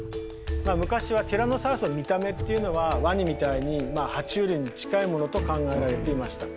昔はティラノサウルスの見た目っていうのはワニみたいには虫類に近いものと考えられていました。